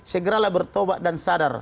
segeralah bertobat dan sadar